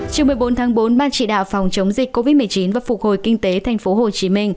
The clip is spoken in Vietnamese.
chiều một mươi bốn tháng bốn ban chỉ đạo phòng chống dịch covid một mươi chín và phục hồi kinh tế tp hcm